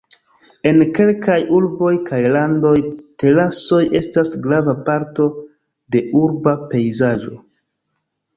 En kelkaj urboj kaj landoj terasoj estas grava parto de urba pejzaĝo.